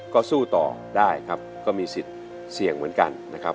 ก็สู้ต่อได้ครับก็มีสิทธิ์เสี่ยงเหมือนกันนะครับ